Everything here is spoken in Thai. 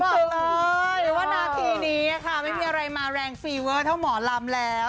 บอกเลยว่านาทีนี้ค่ะไม่มีอะไรมาแรงฟีเวอร์เท่าหมอลำแล้ว